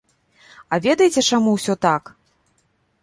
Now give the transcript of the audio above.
А ведаеце, чаму ўсё так?